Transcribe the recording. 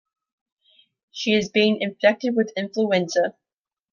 She is being infected with influenza.